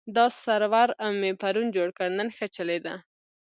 دا سرور مې پرون جوړ کړ، نن ښه چلېده.